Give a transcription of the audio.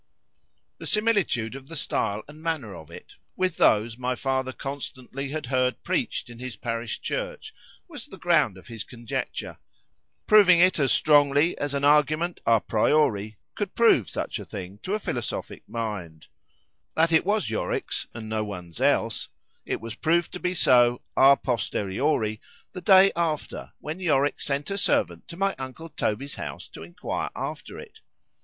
The similitude of the stile and manner of it, with those my father constantly had heard preached in his parish church, was the ground of his conjecture,—proving it as strongly, as an argument à priori could prove such a thing to a philosophic mind, That it was Yorick's and no one's else:—It was proved to be so, à posteriori, the day after, when Yorick sent a servant to my uncle Toby's house to enquire after it.